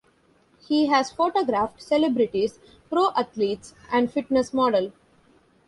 He has photographed celebrities, pro athletes and fitness model.